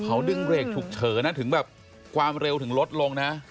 เขาดึงเบรกฉุกเฉินนะถึงแบบความเร็วถึงลดลงนะ